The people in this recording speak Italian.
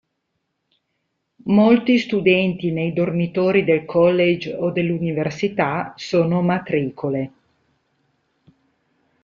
Molti studenti nei dormitori del college o dell'Università sono matricole.